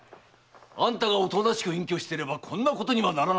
あんたがおとなしく隠居してればこんなことにはならなかった。